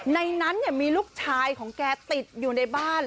ในนั้นมีลูกชายของแกติดอยู่ในบ้าน